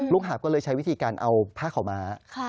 หาบก็เลยใช้วิธีการเอาผ้าขาวม้า